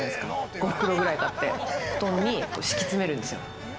５袋ぐらい買って布団に敷き詰めるんですよ。